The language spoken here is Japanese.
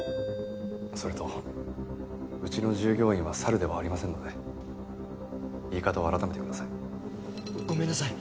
それとうちの従業員は猿ではありませんので言い方を改めてください。ごめんなさい。